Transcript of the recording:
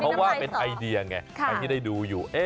เพราะว่าเป็นไอเดียไงใครที่ได้ดูอยู่